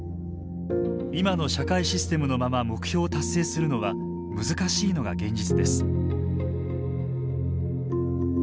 今の社会システムのまま目標を達成するのは難しいのが現実です。